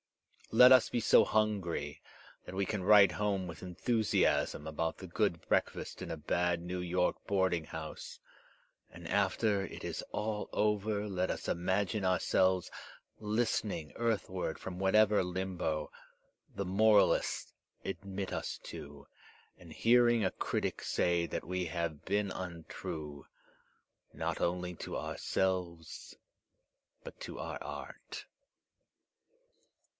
Let us be so hungiy that we Digitized by Google POE 185 can write home with enthusiasm about the good breakfast in a bad New York boarding house; and after it is all over let us imagine ourselves listening earthward from whatever limbo the moralists admit us to, and hearing a critic say that we have been untrue, not only to ourselves, but to our art.